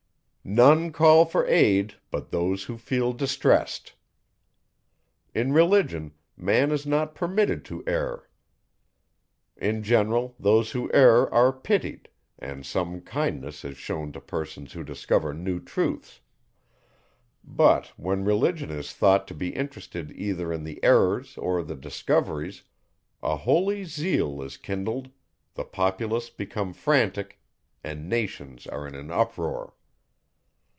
"None call for aid but those who feel distressed." In Religion, man is not permitted to err. In general, those who err are pitied, and some kindness is shewn to persons who discover new truths; but, when Religion is thought to be interested either in the errors or the discoveries, a holy zeal is kindled, the populace become frantic, and nations are in an uproar.